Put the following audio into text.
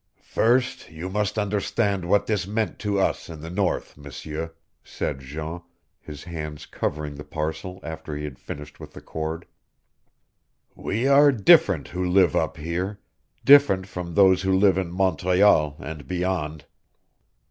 "First you must understand what this meant to us in the North, M'seur," said Jean, his hands covering the parcel after he had finished with the cord. "We are different who live up here different from those who live in Montreal, and beyond.